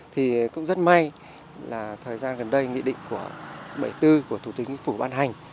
thì cũng rất may là thời gian gần đây nghị định của bảy mươi bốn của thủ tướng nguyễn phủ ban hành